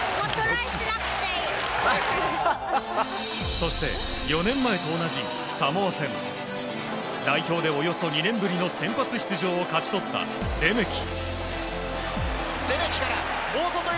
そして、４年前と同じサモア戦。代表でおよそ２年ぶりの選抜を勝ち取ったレメキ。